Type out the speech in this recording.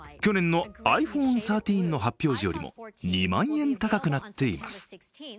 去年のｉＰｈｏｎｅ１３の発表時よりも２万円高くなっています。